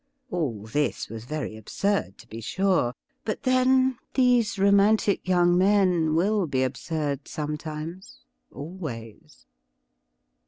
All this was very absurd, to be sure; but, then, these romantic yoimg men will be absurd some times — always.